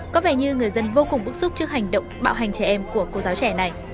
có vẻ như người dân vô cùng bức xúc trước hành động bạo hành trẻ em của cô giáo trẻ này